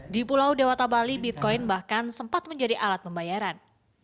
di pulau dewata bali bitcoin bahkan sempat menjadi alat pembayaran